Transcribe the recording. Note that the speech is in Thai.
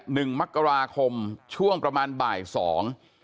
หนึ่งมกราคมช่วงประมาณบ่ายสอง